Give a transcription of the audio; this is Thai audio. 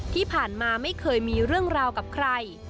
ที่ผ่านมาไม่เคยมีเรื่องราวกับใคร